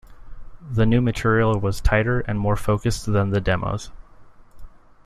The new material was tighter and more focused than the demos.